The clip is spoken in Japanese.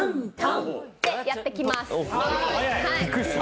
てやっていきます。